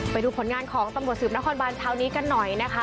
ไปดูผลงานของตำรวจสืบนครบานเช้านี้กันหน่อยนะคะ